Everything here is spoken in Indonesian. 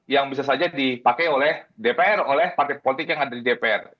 yang bisa saja dipakai oleh dpr oleh partai politik yang ada di dpr